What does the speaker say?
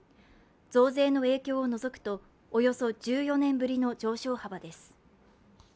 増税の影響を除くと、およそ１４年ぶりの上昇幅です。